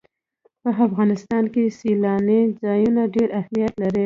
په افغانستان کې سیلانی ځایونه ډېر اهمیت لري.